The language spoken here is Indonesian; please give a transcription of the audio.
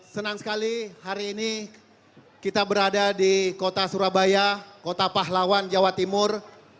senang sekali hari ini kita berada di kota surabaya kota pahlawan jawa timur